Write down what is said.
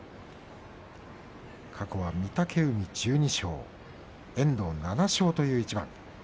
過去は御嶽海が１２勝遠藤７勝という一番。